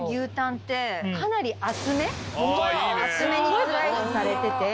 厚めにスライスされてて。